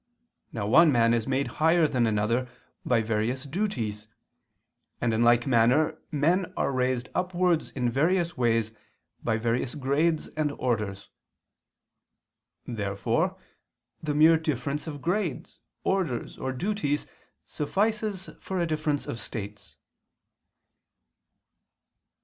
Now one man is made higher than another by various duties; and in like manner men are raised upwards in various ways by various grades and orders. Therefore the mere difference of grades, orders, or duties suffices for a difference of states.